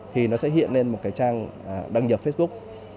thì nó sẽ hiện lên một cái trang đăng nhập facebook